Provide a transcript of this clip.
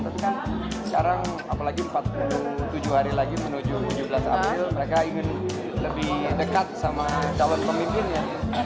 tapi kan sekarang apalagi empat puluh tujuh hari lagi menuju tujuh belas april mereka ingin lebih dekat sama calon pemimpinnya